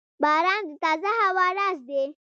• باران د تازه هوا راز دی.